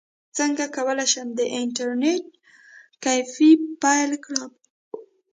څنګه کولی شم د انټرنیټ کیفې پیل کړم